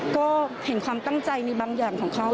ก็เห็นความตั้งใจในบางอย่างของเขา